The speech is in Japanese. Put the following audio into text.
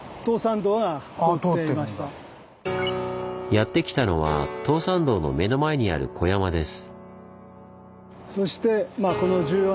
やって来たのは東山道の目の前にある小山です。